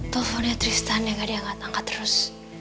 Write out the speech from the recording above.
teleponnya tristan ya gak dia angkat angkat terus